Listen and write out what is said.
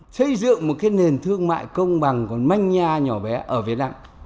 xây dựng một cái nền thương mại công bằng còn manh nha nhỏ bé ở việt nam